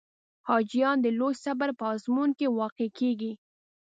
حاجیان د لوی صبر په آزمون کې واقع کېږي.